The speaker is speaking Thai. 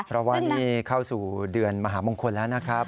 เพราะว่านี่เข้าสู่เดือนมหามงคลแล้วนะครับ